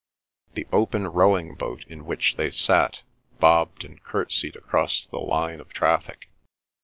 The open rowing boat in which they sat bobbed and curtseyed across the line of traffic.